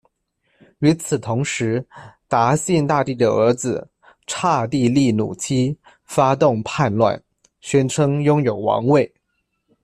与此同时达信大帝的儿子刹帝利努七发动叛乱，宣称拥有王位。